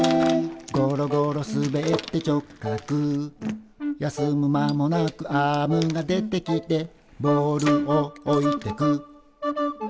「ゴロゴロ滑って直角」「休む間もなくアームが出てきて」「ボールを置いてく」